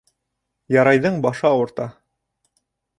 «ЯРАЙ»ҘЫҢ БАШЫ АУЫРТА